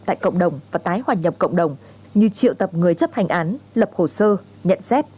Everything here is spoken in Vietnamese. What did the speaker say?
tại cộng đồng và tái hòa nhập cộng đồng như triệu tập người chấp hành án lập hồ sơ nhận xét